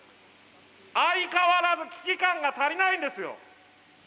相変わらず危機感が足りないんですよ。